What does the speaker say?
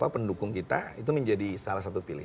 pendukung kita itu menjadi salah satu pilihan